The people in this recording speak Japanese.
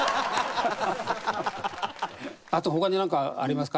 あと他になんかありますか？